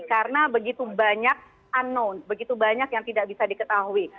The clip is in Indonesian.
karena begitu banyak unknown begitu banyak yang tidak bisa diketahui